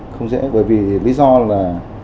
không dễ bởi vì lý do là